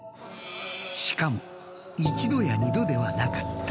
しかも一度や二度ではなかった。